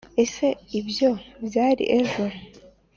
ese ibyo byari ejo?